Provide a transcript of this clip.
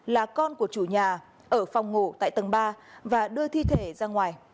là con của chủ nhà ở phòng ngủ tại tầng ba và đưa thi thể ra ngoài